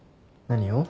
何を？